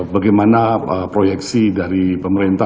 bagaimana proyeksi dari pemerintah